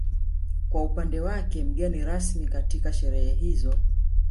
Kwa upande wake mgeni rasmi katika sherehe hizo